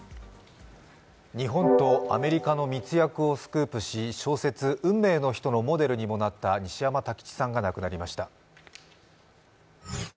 日本とアメリカの密約をスクープし小説、「運命の人」のモデルにもなった西山太吉さんが亡くなりました。